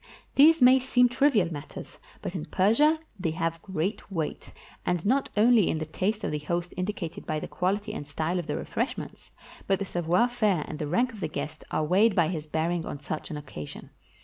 These may seem trivial matters, but in Persia they have great weight; and not only is the taste of the host indicated by the quahty and style of the refreshments, but the savoir faire and the rank of the guest are weighed by his bearing on such an occasion.